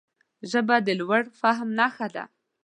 ژبه د لوړ فهم نښه ده